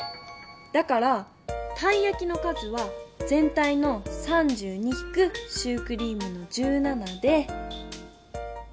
だからたいやきの数はぜん体の３２ひくシュークリームの１７で。